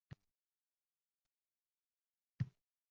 alishtirib olayotgan boʼladi